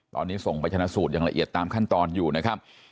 ตอนนี้ส่งไปชนะสูตรอย่างละเอียดตามขั้นตอนอยู่นะครับ